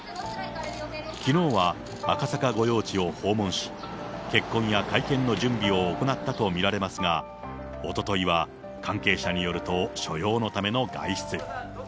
きのうは赤坂御用地を訪問し、結婚や会見の準備を行ったと見られますが、おとといは関係者によると、所用のための外出。